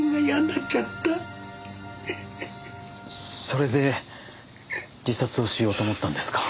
それで自殺をしようと思ったんですか？